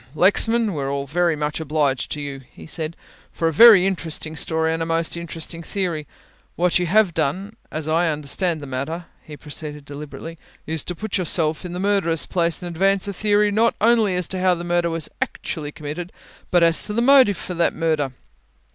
"Lexman, we're all very much obliged to you," he said, "for a very interesting story and a most interesting theory. What you have done, as I understand the matter," he proceeded deliberately, "is to put yourself in the murderer's place and advance a theory not only as to how the murder was actually committed, but as to the motive for that murder.